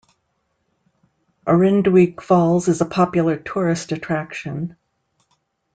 Orinduik Falls is a popular tourist attraction.